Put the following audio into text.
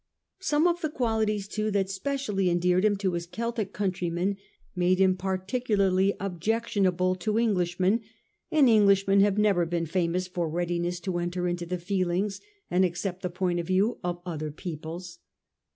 Some of the qualities, too, that specially endeared bim to his Celtic countrymen made him particularly objectionable to Englishmen ; and Englishmen have never been famous for readiness to enter into the feelings and accept the point of view of other peoples.